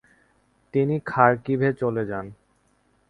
তিনি খারকিভে চলে যান।